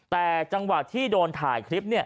แต่จังหวะที่โดนถ่ายคลิป